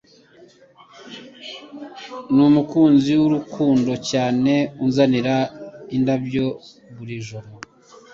Numukunzi wurukundo cyane unzanira indabyo buri joro